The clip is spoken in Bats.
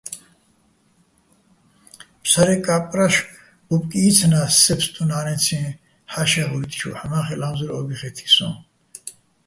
ფსარე კა́პრაშ ბუბკი იცნა́ს სე ბსტუნა́ნეცი ჰ̦ა́შეღ ვუ́ჲტჩოვ, ჰ̦ამა́ხეჸ ლა́მზურ ო́ბი ხე́თი სოჼ.